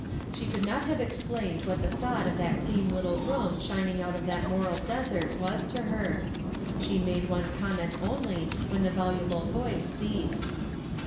She could not have explained what the thought of that clean little room shining 3OO ONE COMMONPLACE DAY. out of that moral desert was to her. She made one comment only, when the voluble voice ceased.